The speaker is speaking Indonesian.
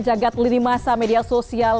jagat lidi massa media sosial